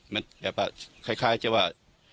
มันแบบว่าคล้ายจะว่า